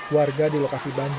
warga di lokasi banjir